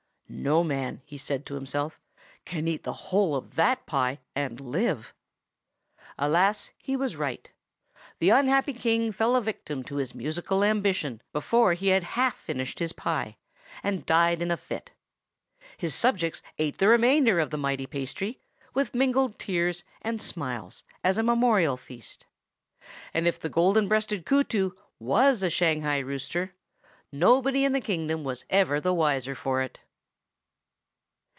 "No man," he said to himself, "can eat the whole of that pie and live!" Alas! he was right. The unhappy King fell a victim to his musical ambition before he had half finished his pie, and died in a fit. His subjects ate the remainder of the mighty pasty, with mingled tears and smiles, as a memorial feast; and if the Golden breasted Kootoo was a Shanghai rooster, nobody in the kingdom was ever the wiser for it.